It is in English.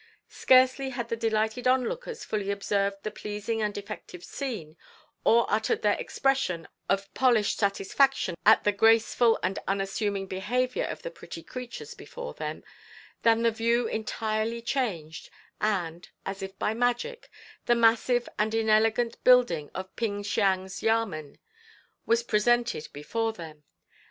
Scarcely had the delighted onlookers fully observed the pleasing and effective scene, or uttered their expressions of polished satisfaction at the graceful and unassuming behaviour of the pretty creatures before them, than the view entirely changed, and, as if by magic, the massive and inelegant building of Ping Siang's Yamen was presented before them.